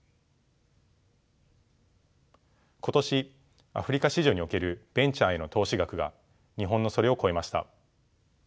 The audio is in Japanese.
今年アフリカ市場におけるベンチャーへの投資額が日本のそれを超えました。